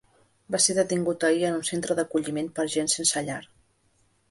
Va ser detingut ahir en un centre d’acolliment per a gent sense llar.